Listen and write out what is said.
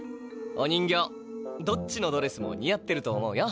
お人形どっちのドレスもにあってると思うよ。